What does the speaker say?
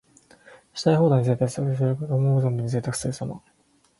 したい放題に贅沢すること。思う存分にぜいたくするさま。